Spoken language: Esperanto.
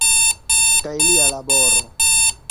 Kaj lia laboro.